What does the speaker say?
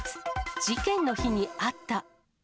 事件の日に会った。